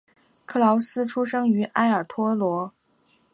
克劳斯出生在埃尔托罗。